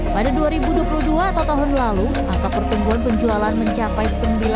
pada dua ribu dua puluh dua atau tahun lalu angka pertumbuhan penjualan mencapai sembilan puluh